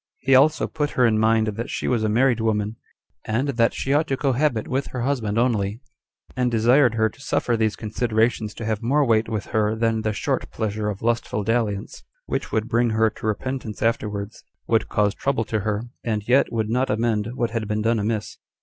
He also put her in mind that she was a married woman, and that she ought to cohabit with her husband only; and desired her to suffer these considerations to have more weight with her than the short pleasure of lustful dalliance, which would bring her to repentance afterwards, would cause trouble to her, and yet would not amend what had been done amiss.